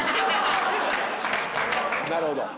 なるほど。